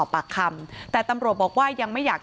จนสนิทกับเขาหมดแล้วเนี่ยเหมือนเป็นส่วนหนึ่งของครอบครัวเขาไปแล้วอ่ะ